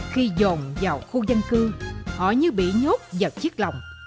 khi dồn vào khu dân cư họ như bị nhốt giật chiếc lòng